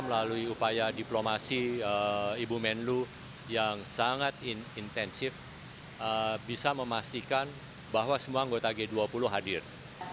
melalui upaya diplomasi ibu menlu yang sangat intensif bisa memastikan bahwa semua anggota g dua puluh hadir